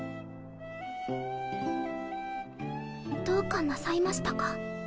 どうかなさいましたか？